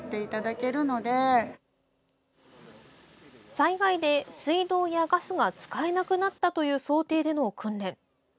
災害で、水道やガスが使えなくなったという想定での訓練。